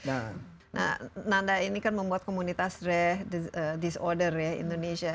nah nanda ini kan membuat komunitas rare disorder indonesia